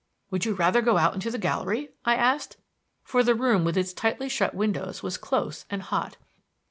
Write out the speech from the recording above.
"Would you rather go out into the gallery?" I asked; for the room with its tightly shut windows was close and hot.